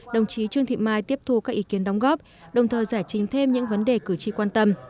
đồng chí trương thị mai tiếp thu các ý kiến đóng góp đồng thời giải trình thêm những vấn đề cử tri quan tâm